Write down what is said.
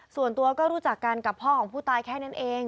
ส่วนตัวก็รู้จักกันกับพ่อของผู้ตายแค่นั้นเอง